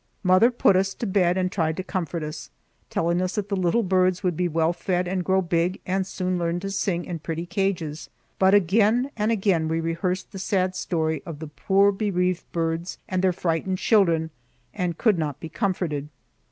Mother put us to bed and tried to comfort us, telling us that the little birds would be well fed and grow big, and soon learn to sing in pretty cages; but again and again we rehearsed the sad story of the poor bereaved birds and their frightened children, and could not be comforted.